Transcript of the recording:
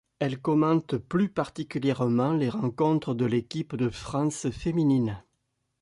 Elle commente plus particulièrement les rencontres de l'équipe de France féminine.